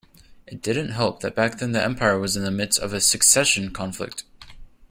It didn't help that back then the empire was in the midst of a succession conflict.